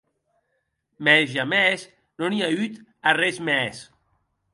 Mès jamès non i a auut arrés mès.